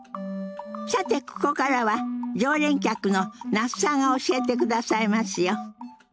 さてここからは常連客の那須さんが教えてくださいますよ。